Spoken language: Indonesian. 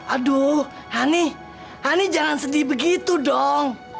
aduh hani hani jangan sedih begitu dong